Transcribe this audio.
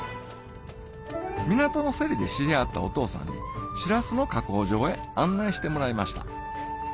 港の競りで知り合ったお父さんにシラスの加工場へ案内してもらいました